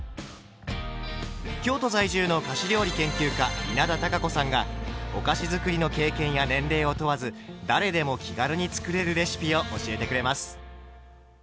京都在住の菓子料理研究家稲田多佳子さんがお菓子づくりの経験や年齢を問わず誰でも気軽に作れるレシピを教えてくれます。